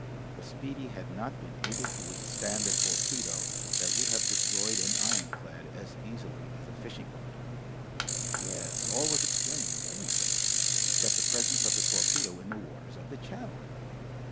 The "Speedy" had not been able to withstand a torpedo that would have destroyed an ironclad as easily as a fishing boat! Yes! all was explained, everything except the presence of the torpedo in the waters of the channel!